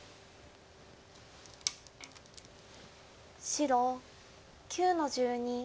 白９の十二。